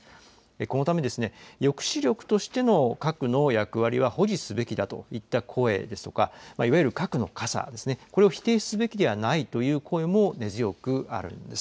このため、抑止力としての核の役割は保持すべきだといった声ですとか、いわゆる核の傘ですね、これを否定すべきではないという声も根強くあるんです。